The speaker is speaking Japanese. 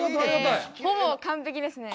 ほぼ完璧ですね。